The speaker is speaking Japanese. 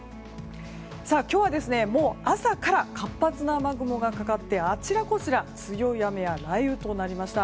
今日は朝から活発な雨雲がかかってあちらこちら強い雨や雷雨となりました。